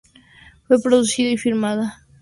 Fue producida y filmada íntegramente en Rosario.